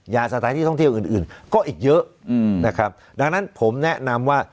ยาเสพติดที่ต้องเที่ยวอื่นก็อีกเยอะนะครับดังนั้นผมแนะนำว่า